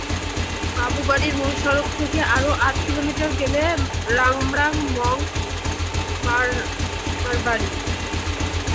বাবুপাড়ায় মূল সড়ক থেকে আরও আধা কিলোমিটার গেলে হ্লাম্রামং মারমার বাড়ি।